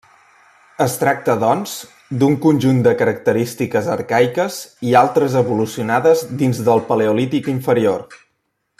Es tracta, doncs, d'un conjunt de característiques arcaiques i altres evolucionades dins del paleolític inferior.